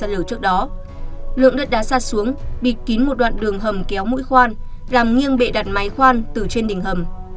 lượng đất đá sạt xuống bị kín một đoạn đường hầm kéo mũi khoan làm nghiêng bệ đặt máy khoan từ trên đỉnh hầm